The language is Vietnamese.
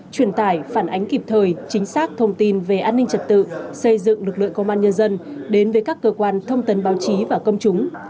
truyền tải phản ánh kịp thời chính xác thông tin về an ninh trật tự xây dựng lực lượng công an nhân dân đến với các cơ quan thông tấn báo chí và công chúng